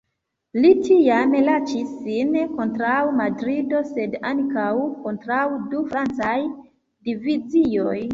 Li tiam lanĉis sin kontraŭ Madrido sed ankaŭ kontraŭ du francaj divizioj.